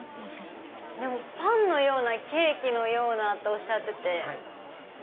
パンのようなケーキのようなとおっしゃってて。